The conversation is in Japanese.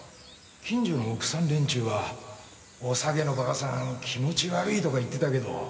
近所の奥さん連中は「おさげのばあさん気持ち悪い」とか言ってたけど。